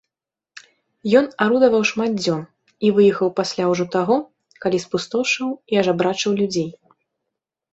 Ён арудаваў шмат дзён і выехаў пасля ўжо таго, калі спустошыў і ажабрачыў людзей.